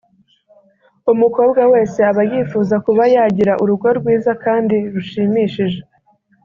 umukobwa wese aba yifuza kuba yagira urugo rwiza kandi rushimishije